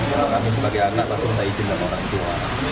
kalau kami sebagai anak langsung tidak izin dari orang tua